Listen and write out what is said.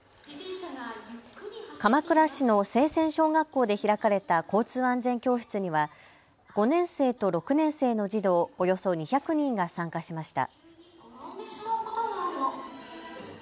鎌倉市の清泉小学校で開かれた交通安全教室には５年生と６年生の児童およそ２００人が参加しました。